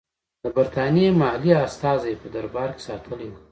د برټانیې محلي استازی په دربار کې ساتلی وو.